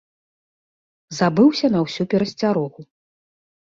Забыўся на ўсю перасцярогу.